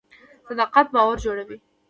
صداقت باور جوړوي